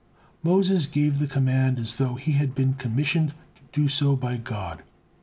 Moses gave the command as though he had been commissioned to do so by God.